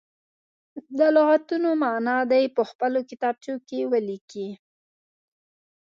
د لغتونو معنا دې په خپلو کتابچو کې ولیکي.